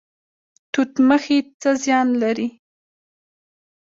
توت مخي څه زیان لري؟